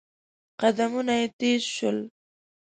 قدمونه يې تېز شول.